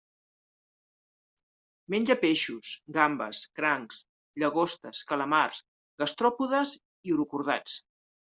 Menja peixos, gambes, crancs, llagostes, calamars, gastròpodes i urocordats.